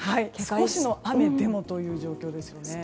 少しの雨でもということですよね。